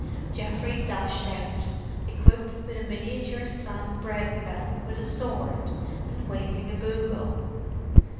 Geoffrey dashed out, equipped with a miniature Sam Brown belt with a sword, and waving a bugle.